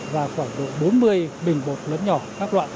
và khoảng độ bốn mươi bình bột lớn nhỏ các loại